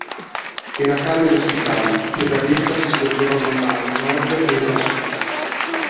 Era calda ed ospitale, e da essa si scorgeva lontano a Nord ed a Sud.